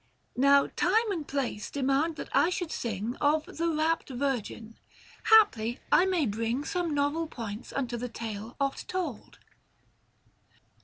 Now time and place demand that I should sing 465 Of the rapt virgin : haply, I may bring Some novel points unto the tale oft told.